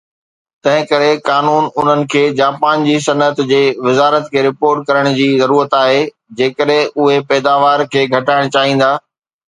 تنهن ڪري، قانون انهن کي جاپان جي صنعت جي وزارت کي رپورٽ ڪرڻ جي ضرورت آهي جيڪڏهن اهي پيداوار کي گهٽائڻ چاهيندا